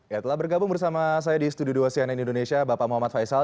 ya telah bergabung bersama saya di studio dua cnn indonesia bapak muhammad faisal